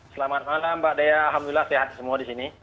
selamat malam mbak dea alhamdulillah sehat semua di sini